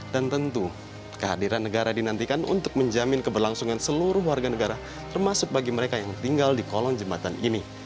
dan tentu kehadiran negara dinantikan untuk menjamin keberlangsungan seluruh warga negara termasuk bagi mereka yang tinggal di kolong jembatan ini